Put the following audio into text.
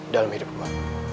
dalam hidup gue